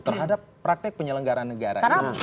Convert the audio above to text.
terhadap praktek penyelenggara negara ini